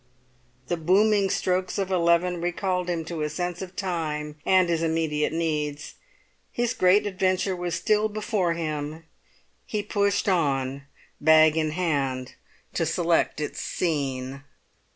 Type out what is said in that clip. The booming strokes of eleven recalled him to a sense of time and his immediate needs. His great adventure was still before him; he pushed on, bag in hand, to select its scene.